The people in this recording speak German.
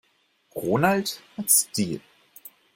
Ronald hat Stil.